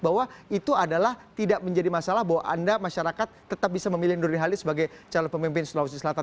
bahwa itu adalah tidak menjadi masalah bahwa anda masyarakat tetap bisa memilih nurdi halil sebagai calon pemimpin sulawesi selatan